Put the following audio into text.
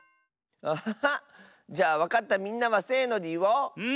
アハハ！じゃあわかったみんなはせのでいおう！